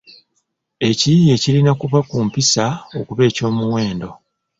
Ekiyiiye kirina kuba ku mpisa okuba eky’omuwendo